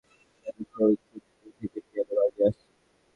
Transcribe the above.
আমার সবচেয়ে প্রিয় বাদ্যযন্ত্র পিয়ানো, সেই ছোট্টটি থেকে পিয়ানো বাজিয়ে আসছি।